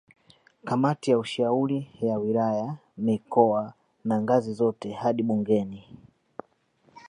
Kamati ya ushauri ya wilaya mikoa na ngazi zote hadi bungeni